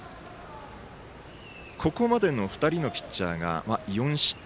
ここまでの２人のピッチャーが４失点。